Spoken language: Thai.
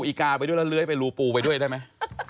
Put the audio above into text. อีกาไปด้วยแล้วเลื้อยไปรูปูไปด้วยได้ไหม